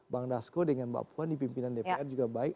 bang dasko dengan mbak puan di pimpinan dpr juga baik